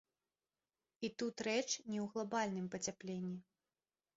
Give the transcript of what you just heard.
І тут рэч не ў глабальным пацяпленні.